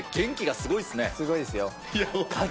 すごいですよ。